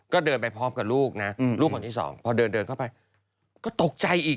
ก็เดินไปพร้อมกับลูกนะลูกคนที่สองพอเดินเดินเข้าไปก็ตกใจอีก